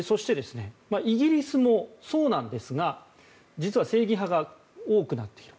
イギリスもそうなんですが実は正義派が多くなっている。